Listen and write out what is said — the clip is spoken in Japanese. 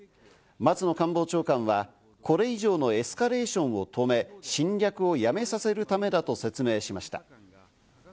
松野官房長官はこれ以上のエスカレーションを止め、侵略をやめさせるためだと説明しました。